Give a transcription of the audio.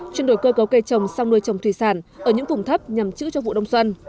chuyển đổi cơ cấu cây trồng sang nuôi trồng thủy sản ở những vùng thấp nhằm chữ cho vụ đông xuân